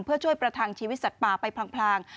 เพื่อช่วยประทังชีวิตสัตว์ป่าไปพลาง